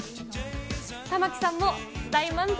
玉城さんも大満足。